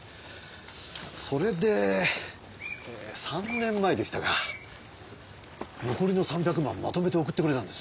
それで３年前でしたか残りの３００万をまとめて送ってくれたんです。